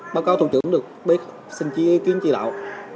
báo cáo thủ trưởng được biết xin ý kiến chỉ đạo